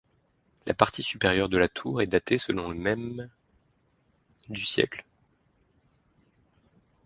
La partie supérieure de la tour est datée selon le même du siècle.